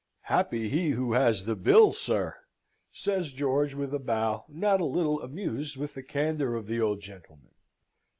"Happy he who has the bill, sir!" says George, with a bow, not a little amused with the candour of the old gentleman.